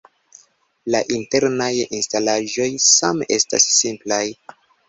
La internaj instalaĵoj same estas simplaj.